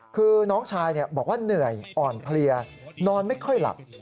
คือน้องชายบอกว่าเหนื่อยอ่อนเพลียนอนไม่ค่อยหลับ